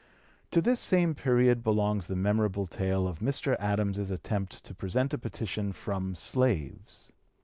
To this same period belongs the memorable tale of Mr. Adams's (p. 269) attempt to present a petition from slaves.